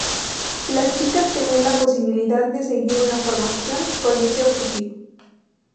Las chicas tenían la posibilidad de seguir una formación con ese objetivo.